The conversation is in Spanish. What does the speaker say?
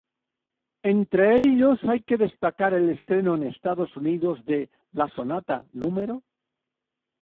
Entre ellos hay que destacar el estreno en Estados Unidos de la "Sonata No.